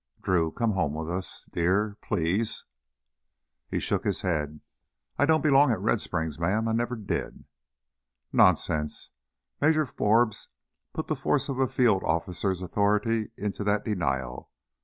"Drew, come home with us, dear please!" He shook his head. "I don't belong at Red Springs, ma'am. I never did." "Nonsense!" Major Forbes put the force of a field officer's authority into that denial.